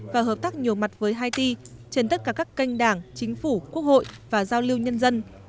và hợp tác nhiều mặt với haiti trên tất cả các kênh đảng chính phủ quốc hội và giao lưu nhân dân